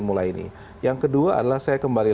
mulai ini yang kedua adalah saya kembali